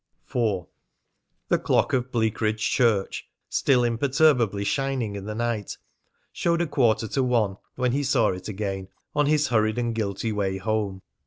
IV. The clock of Bleakridge Church, still imperturbably shining in the night, showed a quarter to one when he saw it again on his hurried and guilty way home.